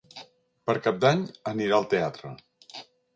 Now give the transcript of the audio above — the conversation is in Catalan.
Per Cap d'Any anirà al teatre.